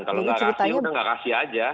kalau nggak kasih udah nggak kasih aja